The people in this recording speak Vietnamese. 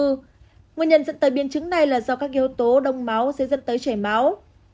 nguyên nhân dẫn tới biến chứng này là do các yếu tố đông máu sẽ dẫn tới chảy máu